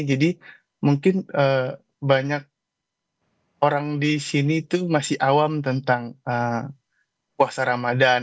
mungkin banyak orang di sini itu masih awam tentang puasa ramadan